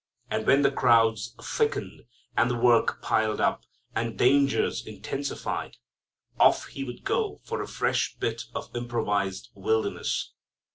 And when the crowds thickened, and work piled up, and dangers intensified, off He would go for a fresh bit of improvised wilderness.